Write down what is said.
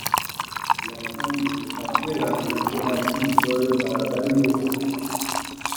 La famille de son père avait des terrains vinicoles dans la vallée du Rhône.